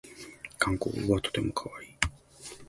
韓国語はとてもかわいい